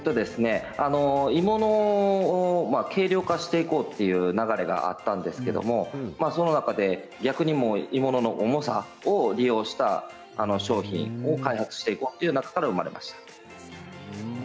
鋳物を軽量化していこうという流れがあったんですがその中で、逆に鋳物の重さを利用した商品を開発していこうという中から生まれました。